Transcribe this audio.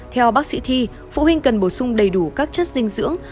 theo bác sĩ thi phụ huynh cần bổ sung đầy đủ các chất dinh dưỡng